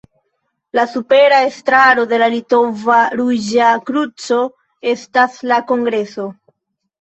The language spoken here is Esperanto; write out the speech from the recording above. La supera estraro de la Litova Ruĝa Kruco estas la kongreso.